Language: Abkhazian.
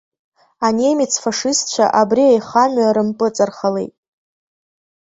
Анемец фашистцәа абри аихамҩа рымпыҵархалеит.